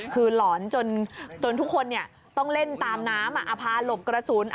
คือหลอนจนทุกคนต้องเล่นตามน้ำอพาหลบกระสุน